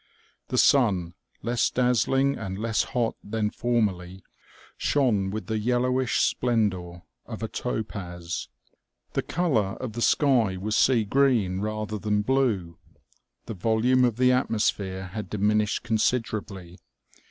The sun, less dazzling 'and less hot than formerly, shone with the yellowish splendor of a topaz. The color of the sky was sea green rather than blue. The volume of the atmosphere had diminished considerably.